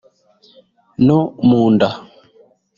no mu nda